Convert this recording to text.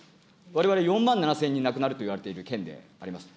われわれ４万７０００人亡くなるといわれている県であります。